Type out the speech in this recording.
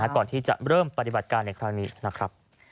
ก่อนที่จะเริ่มปฏิบัติการในครั้งนี้นะครับ